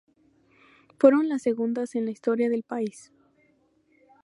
Fueron las segundas en la historia del país.